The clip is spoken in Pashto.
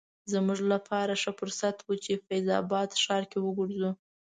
زموږ لپاره ښه فرصت و چې فیض اباد ښار کې وګرځو.